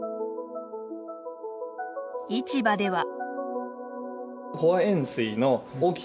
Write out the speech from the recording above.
市場では。